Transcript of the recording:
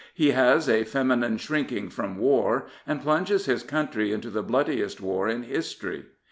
He has a feminine shrinking from war and plunges his country into the bloodiest war in history.